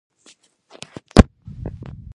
راپورله مخې